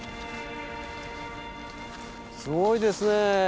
すごいですね